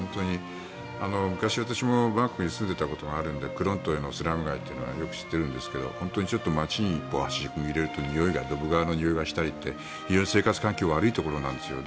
昔、私もバンコクに住んでいたことがあるのでクロントイのスラム街ってよく知っているんですが本当にちょっと街に一歩足を踏み入れるとどぶ川のにおいがしたりとか非常に生活環境が悪いところなんですよね。